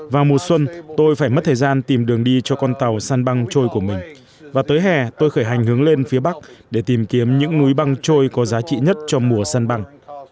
vào mùa xuân tôi phải mất thời gian tìm đường đi cho con tàu săn băng trôi của mình và tới hè tôi khởi hành hướng lên phía bắc để tìm kiếm những núi băng trôi có giá trị nhất cho mùa săn băng